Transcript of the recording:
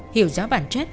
hiểu rõ bản chất